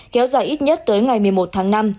kéo dài ít nhất tới ngày một mươi một tháng năm